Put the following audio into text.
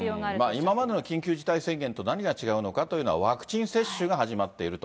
今までの緊急事態宣言と何が違うのかというのは、ワクチン接種が始まっていると。